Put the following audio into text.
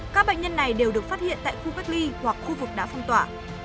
các bệnh nhân này đều được phát hiện tại khu cách ly hoặc khu vực đã phong tỏa